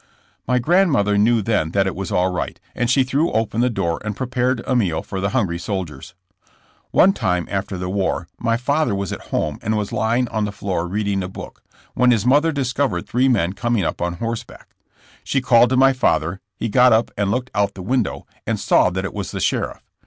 My grandmother knew then that it was all right, and she threw open the door and prepared a meal for the hungry soldiers. One time after the war my father was at home and was lying on the floor reading a book, when his mother discovered three men coming up on horse back. She called to my father ; he got up and looked out the window and saw that it was the sheriff.